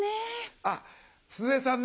あっ鈴江さんね